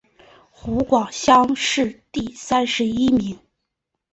湖广乡试第三十一名。